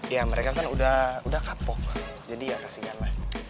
ya mereka kan udah kapok jadi ya kasih gana